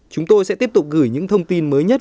chúng tôi sẽ tiếp tục gửi những thông tin mới nhất